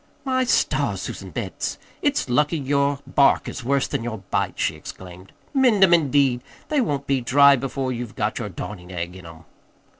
"My stars, Susan Betts, it's lucky your bark is worse than your bite!" she exclaimed. "Mend 'em, indeed! They won't be dry before you've got your darnin' egg in 'em."